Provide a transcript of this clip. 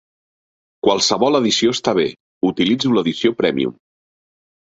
Qualsevol edició està bé, utilitzo l'edició prèmium.